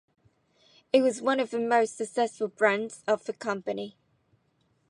It was one of the most successful brands of the company.